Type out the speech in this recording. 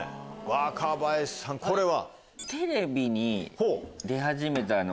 若林さんこれは？